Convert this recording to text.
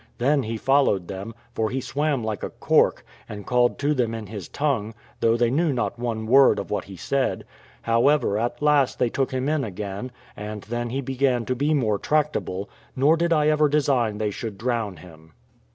Then he followed them, for he swam like a cork, and called to them in his tongue, though they knew not one word of what he said; however at last they took him in again, and then he began to be more tractable: nor did I ever design they should drown him.